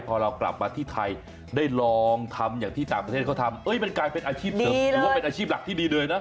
พอเรากลับมาที่ไทยได้ลองทำอย่างที่ต่างประเทศเขาทำมันกลายเป็นอาชีพเสริมถือว่าเป็นอาชีพหลักที่ดีเลยนะ